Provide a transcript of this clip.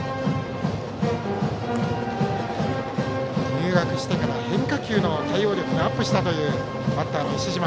入学してから変化球の対応力がアップしたというバッターの石島。